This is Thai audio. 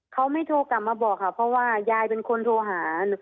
เขาไม่โทรกลับมาบอกค่ะเพราะว่ายายเป็นคนโทรหา